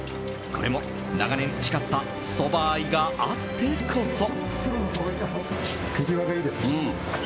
これも長年培ったそば愛があってこそ。